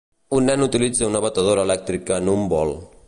Un nen utilitza una batedora elèctrica en un bol.